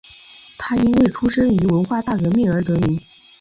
他因为出生于文化大革命而得名。